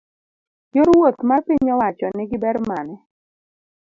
yor wuoth mar piny owacho ni gi ber mane?